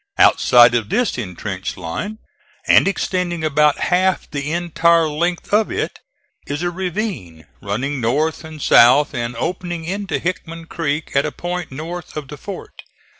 Outside of this intrenched line, and extending about half the entire length of it, is a ravine running north and south and opening into Hickman creek at a point north of the fort.